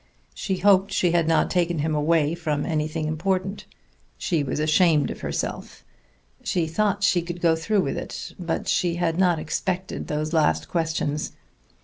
She hoped she had not taken him away from anything important. She was ashamed of herself; she thought she could go through with it, but she had not expected those last questions.